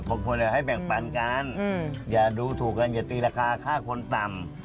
พี่กิ๊บนี่มาเจอนุ๊ยตอนที่นุ